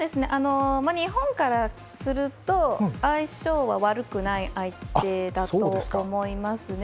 日本からすると相性は悪くない相手だと思います。